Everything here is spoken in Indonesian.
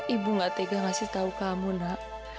ibu gak tegas ngasih tau kamu nak